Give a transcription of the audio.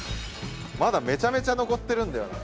まだめちゃめちゃ残ってるんだよな。